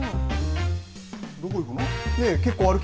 どこ行くの？